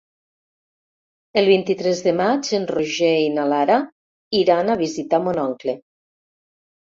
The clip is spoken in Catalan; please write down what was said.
El vint-i-tres de maig en Roger i na Lara iran a visitar mon oncle.